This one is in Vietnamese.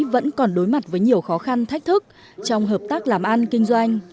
vẫn còn đối mặt với nhiều khó khăn thách thức trong hợp tác làm ăn kinh doanh